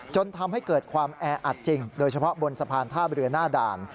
จนทำให้เกิดความแออัดจริงโดยเฉพาะบนสะพานท่าเรือหน้าด่าน